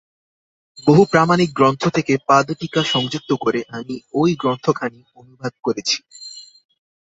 বহু প্রামাণিক গ্রন্থ থেকে পাদটীকা সংযুক্ত করে আমি ঐ গ্রন্থখানি অনুবাদ করছি।